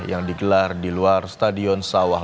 yang digelar di luar stadion sawah